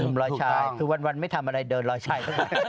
หนุ่มรอยชายคือวันไม่ทำอะไรเดินรอยชาย